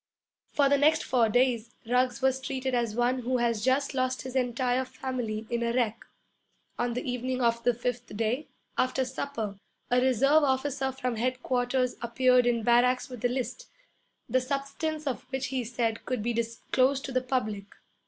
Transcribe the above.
For the next four days Ruggs was treated as one who has just lost his entire family in a wreck. On the evening of the fifth day, after supper, a reserve officer from headquarters appeared in barracks with a list, the substance of which he said could be disclosed to the public.